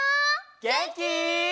げんき？